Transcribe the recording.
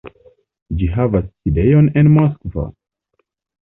Ĝi havas sidejon en Moskvo.